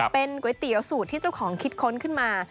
เป็นก๋วยเตี๋ยวสูตรที่เจ้าของคิดค้นขึ้นมา